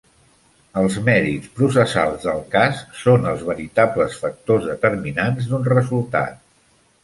Els mèrits processals del cas són els veritables factors determinants d'un resultat.